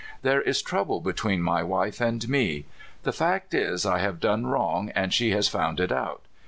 " There is trouble betvv'een my wife and me. The fact is, I have done wrong, and she has found it out.